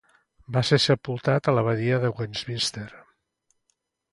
Va ser sepultat a l'abadia de Westminster.